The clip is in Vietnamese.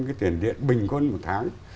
cái tiền điện bình quân một tháng